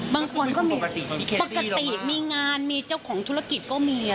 บางคนก็มีปกติมีงานมีเจ้าของธุรกิจก็มี